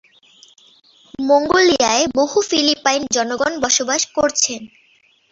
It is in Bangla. মঙ্গোলিয়ায় বহু ফিলিপাইন জনগণ বসবাস করছেন।